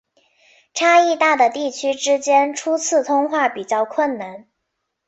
差异大的地区之间初次通话比较困难。